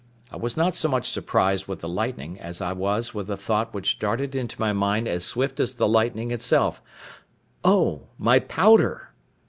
I was not so much surprised with the lightning as I was with the thought which darted into my mind as swift as the lightning itself—Oh, my powder!